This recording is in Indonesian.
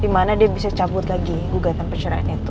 di mana dia bisa cabut lagi gugatan pencerahan itu